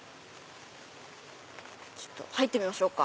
ちょっと入ってみましょうか。